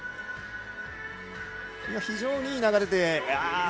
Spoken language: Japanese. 非常にいい流れで。